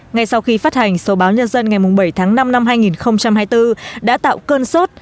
ngay sau khi phát hành số báo nhân dân ngày bảy tháng năm năm hai nghìn hai mươi bốn đã tạo cơn sốt